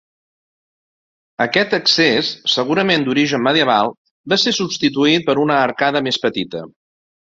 Aquest accés, segurament d'origen medieval, va ser substituït per una arcada més petita.